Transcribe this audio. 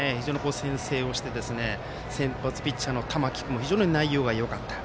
先制をして先発ピッチャーの玉木君も非常に内容がよかった。